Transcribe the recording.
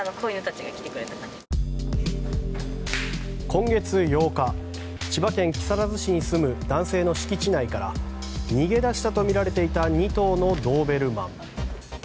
今月８日千葉県木更津市に住む男性の敷地内から逃げ出したとみられていた２頭のドーベルマン。